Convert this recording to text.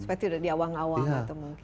seperti itu di awal awal